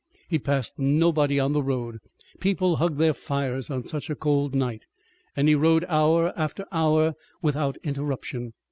He passed nobody on the road. People hugged their fires on such a cold night, and he rode hour after hour without interruption.